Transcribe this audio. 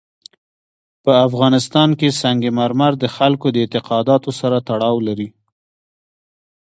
په افغانستان کې سنگ مرمر د خلکو د اعتقاداتو سره تړاو لري.